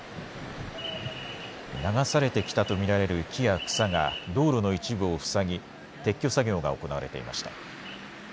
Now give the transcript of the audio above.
流されてきたと見られる木や草が道路の一部を塞ぎ撤去作業が行われていました。